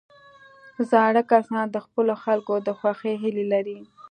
زاړه کسان د خپلو خلکو د خوښۍ هیله لري